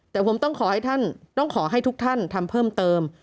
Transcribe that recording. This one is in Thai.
แต่ผมต้องขอให้ท่านต้องขอให้ทุกท่านทำเพิ่มเติม